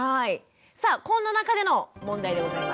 さあこんな中での問題でございます。